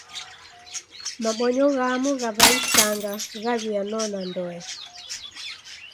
Mabonyo ghamu gha w'aisanga ghaw'ianona ndoe.